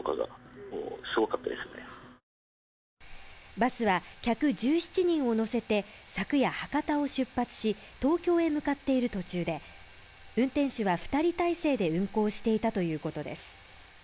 バスは客１７人を乗せて昨夜、博多を出発し東京へ向かっている途中で、運転手は２人体制で運行していたということです。